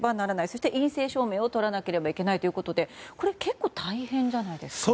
そして陰性証明を取らなければいけないということで結構大変じゃないですか？